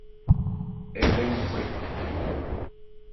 Ɛ bhɛ nkhwɛ.